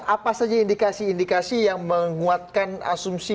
apa saja indikasi indikasi yang menguatkan asumsi